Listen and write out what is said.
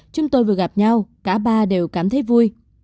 chúng tôi vừa gặp nhau cả ba đều cảm thấy vui